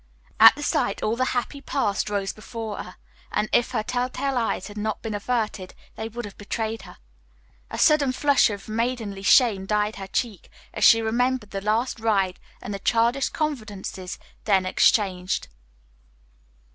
At the sight all the happy past rose before her, and if her telltale eyes had not been averted they would have betrayed her. A sudden flush of maidenly shame dyed her cheek as she remembered that last ride, and the childish confidences then interchanged.